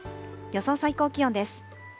予想最高気温です。